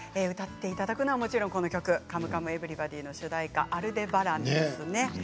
歌っていただくのはもちろん「カムカムエヴリバディ」の主題歌「アルデバラン」ですね。